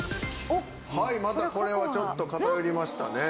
またこれはちょっと偏りましたね。